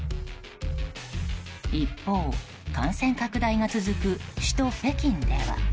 一方、感染拡大が続く首都・北京では。